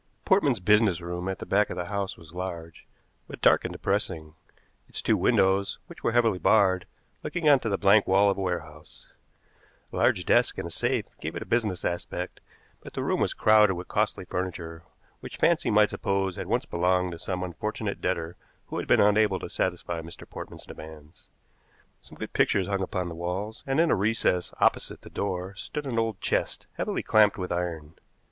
Portman's business room at the back of the house was large, but dark and depressing, its two windows, which were heavily barred, looking on to the blank wall of a warehouse. A large desk and a safe gave it a business aspect, but the room was crowded with costly furniture which fancy might suppose had once belonged to some unfortunate debtor who had been unable to satisfy Mr. Portman's demands. Some good pictures hung upon the walls, and in a recess opposite the door stood an old chest heavily clamped with iron.